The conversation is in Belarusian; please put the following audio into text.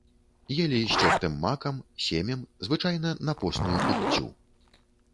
Елі з цёртым макам, семем, звычайна на посную куццю.